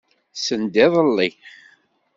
Send iḍelli.